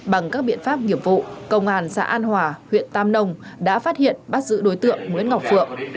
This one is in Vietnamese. bằng các biện pháp nghiệp vụ công an xã an hòa huyện tam nông đã phát hiện bắt giữ đối tượng nguyễn ngọc phượng